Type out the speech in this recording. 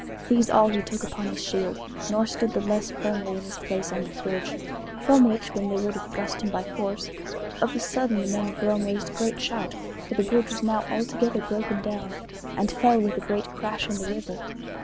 These all he took upon his shield, nor stood the less firmly in his place on the bridge, from which when they would have thrust him by force, of a sudden the men of Rome raised a great shout, for the bridge was now altogether broken down, and fell with a great crash into the river.